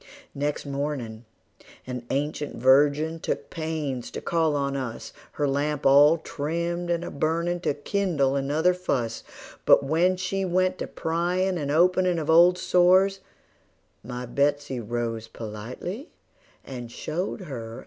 Next mornin' an ancient virgin took pains to call on us, Her lamp all trimmed and a burnin' to kindle another fuss; But when she went to pryin' and openin' of old sores, My Betsey rose politely, and showed her out of doors.